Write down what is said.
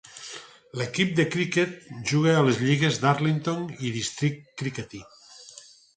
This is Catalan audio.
L'equip de criquet juga a les lligues Darlington i District Crickety.